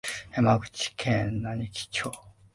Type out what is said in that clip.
山口県和木町